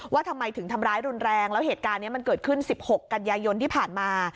ว่าทำไมถึงทำร้ายรุนแรงแล้วเหตุการณ์นี้มันเกิดขึ้น๑๖กันยายนที่ผ่านมา